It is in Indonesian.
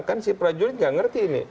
kan si prajurit nggak ngerti ini